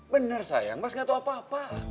bener sayang mas gak tau apa apa